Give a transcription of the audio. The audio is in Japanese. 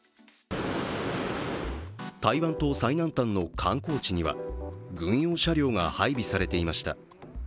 台湾島最南端の観光地には軍用車両が配備されていました。